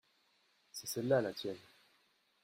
C’est celle-là la tienne.